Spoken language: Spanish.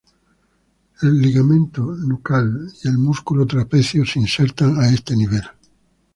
El ligamento nucal y el músculo trapecio se insertan a este nivel.